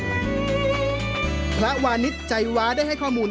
พระวานิษฐ์ไจว้าได้ให้ข้อมูล